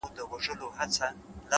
نظم د پرمختګ ملګری دی!